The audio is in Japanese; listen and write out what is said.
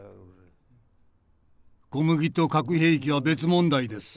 「小麦と核兵器は別問題です」。